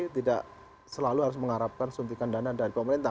tidak selalu harus mengharapkan suntikan dana dari pemerintah